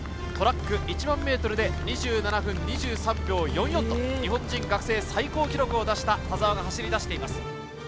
トラック１万メートルで２７分２３秒４４と、日本人学生最高記録を出した田澤が走りだしています。